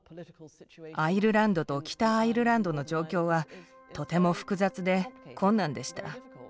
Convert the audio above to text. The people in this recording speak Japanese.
アイルランドと北アイルランドの状況はとても複雑で困難でした。